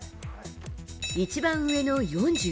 一番上の４０。